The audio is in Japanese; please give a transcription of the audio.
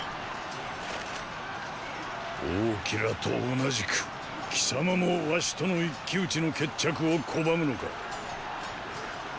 王騎らと同じく貴様も儂との一騎討ちの決着を拒むのか。